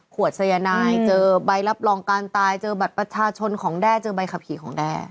ขวดสยานายเจอใบรับรองการตายเจอบัสพรรษชนของด่าเจอใบขผิดของแด่